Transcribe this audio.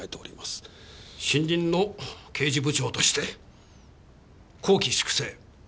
新任の刑事部長として綱紀粛正